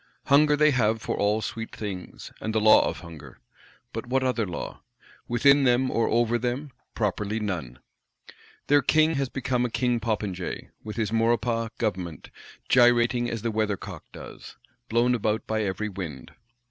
Hunger they have for all sweet things; and the law of Hunger; but what other law? Within them, or over them, properly none! Their King has become a King Popinjay; with his Maurepas Government, gyrating as the weather cock does, blown about by every wind.